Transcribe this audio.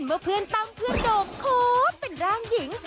เมื่อเพื่อนตั้งเพื่อโดมโค้ดเป็นร่างหญิง